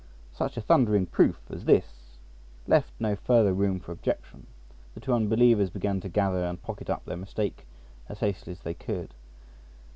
Such a thundering proof as this left no further room for objection; the two unbelievers began to gather and pocket up their mistake as hastily as they could.